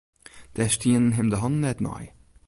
Dêr stienen him de hannen net nei.